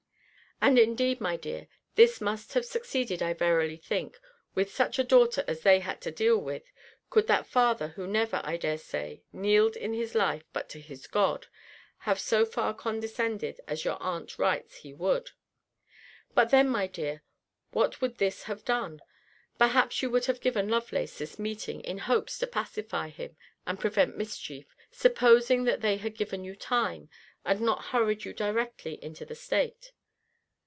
And indeed, my dear, this must have succeeded, I verily think, with such a daughter as they had to deal with, could that father, who never, I dare say, kneeled in his life but to his God, have so far condescended as your aunt writes he would. But then, my dear, what would this have done? Perhaps you would have given Lovelace this meeting, in hopes to pacify him, and prevent mischief; supposing that they had given you time, and not hurried you directly into the state.